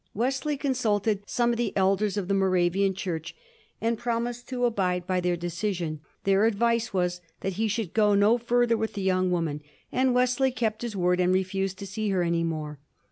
Wesley consulted some of the elders of the Moravian Church, and promised to abide by their de cision. Their advice was that he should go no further with the young woman, and Wesley kept his word and refused to see her any more.